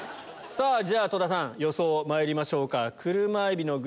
じゃ戸田さん予想まいりましょうか。